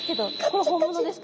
これ本物ですか？